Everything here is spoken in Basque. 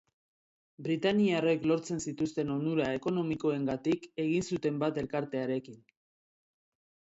Britainiarrek lortzen zituzten onura ekonomikoengatik egin zuten bat elkartearekin.